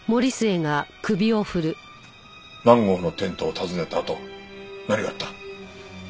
南郷のテントを訪ねたあと何があった？